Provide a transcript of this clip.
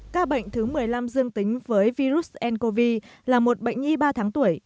ca bệnh thứ một mươi năm dương tính với virus ncov là một bệnh nhi ba tháng tuổi